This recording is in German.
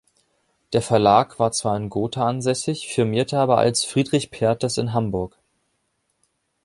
Der Verlag war zwar in Gotha ansässig, firmierte aber als "Friedrich Perthes in Hamburg".